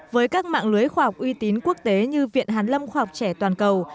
với các mạng lưới khoa học uy tín quốc tế như viện hàn lâm khoa học trẻ toàn cầu